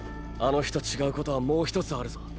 あの日と違うことはもう一つあるぞ。